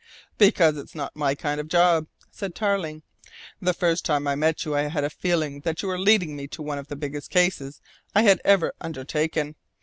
"Because it's not my kind of job," said Tarling. "The first time I met you I had a feeling that you were leading me to one of the biggest cases I had ever undertaken.